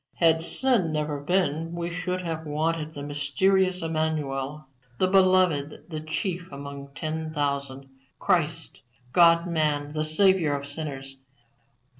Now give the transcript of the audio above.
"Had sin never been we should have wanted the mysterious Emmanuel, the Beloved, the Chief among ten thousand, Christ, God man, the Saviour of sinners.